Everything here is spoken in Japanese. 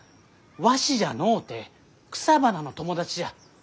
わしじゃのうて草花の友達じゃ。